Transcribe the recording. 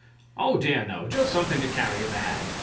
Oh dear, no just something to carry in the hand.